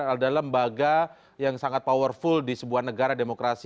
ada lembaga yang sangat powerful di sebuah negara demokrasi